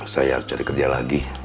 saya cari kerja lagi